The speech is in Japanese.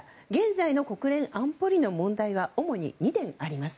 現在の国連安保理の問題は主に２点あります。